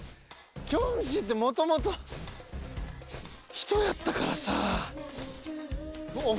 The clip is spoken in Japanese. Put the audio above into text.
キョンシーってもともと人やったからさ。